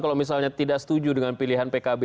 kalau misalnya tidak setuju dengan pilihan pkb